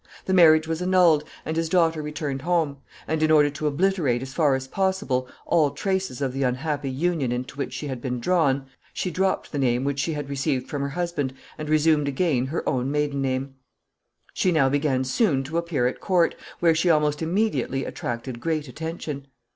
The marriage was annulled, and his daughter returned home; and, in order to obliterate as far as possible all traces of the unhappy union into which she had been drawn, she dropped the name which she had received from her husband and resumed again her own maiden name. [Sidenote: She becomes free.] She now began soon to appear at court, where she almost immediately attracted great attention.